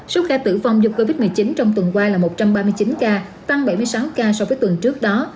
số ca tử vong do covid một mươi chín trong tuần qua là một trăm ba mươi chín ca tăng bảy mươi sáu ca so với tuần trước đó